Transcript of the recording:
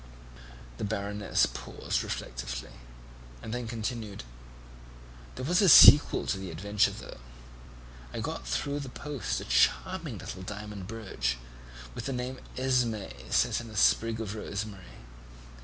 The Baroness paused reflectively, and then continued: "There was a sequel to the adventure, though. I got through the post a charming little diamond brooch, with the name Esmé set in a sprig of rosemary.